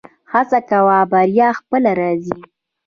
هڅه کوه بریا خپله راځي